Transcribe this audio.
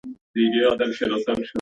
ادب د ټولنیز شعور یوه برخه ده.